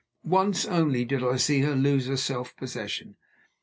Once only did I see her lose her self possession.